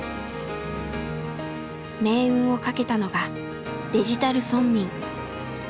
命運をかけたのが「デジタル村民」。